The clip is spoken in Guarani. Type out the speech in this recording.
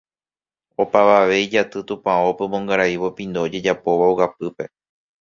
opavave ijaty tupãópe omongaraívo pindo ojejapóva ogapýpe